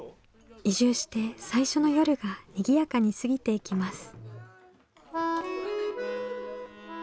移住して最初の夜がにぎやかに過ぎていきます。